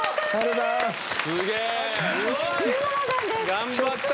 頑張った！